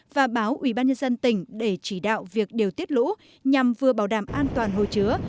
và báo ubnd tỉnh để chỉ đạo việc điều tiết lũ nhằm vừa bảo đảm an toàn hồ chứa